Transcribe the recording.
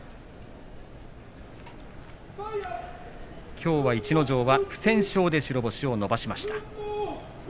きょうは逸ノ城は不戦勝で白星を伸ばしました。